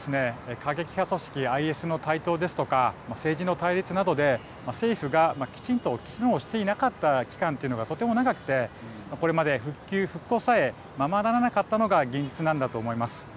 過激派組織ＩＳの台頭ですとか政治の対立などで政府がきちんと機能していなかった期間というのがとても長くてこれまで復旧・復興さえままならなかったのが現実なんだと思います。